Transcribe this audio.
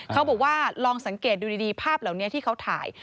เขาบอกว่าลองสังเกตดูดีภาพเหล่านี้ที่เขาถ่าย